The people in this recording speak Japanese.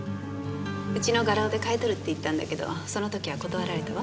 うちの画廊で買い取るって言ったんだけどその時は断られたわ。